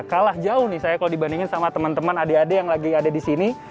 kalah jauh nih saya kalau dibandingin sama teman teman adik adik yang lagi ada di sini